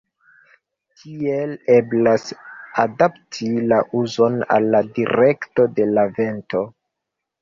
Tiel eblas adapti la uzon al la direkto de la vento.